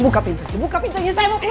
buka pintunya buka pintunya saya mau keluar